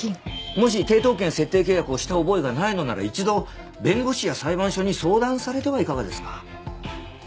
もし抵当権設定契約をした覚えがないのなら一度弁護士や裁判所に相談されてはいかがですか。